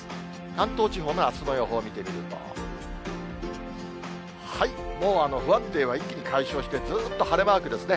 関東地方のあすの予報を見てみると、もう不安定は一気に解消して、ずーっと晴れマークですね。